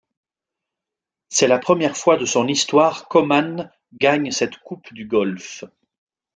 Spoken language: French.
C'est la première fois de son histoire qu'Oman gagne cette coupe du Golfe.